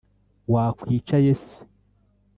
« Wakwicaye se! »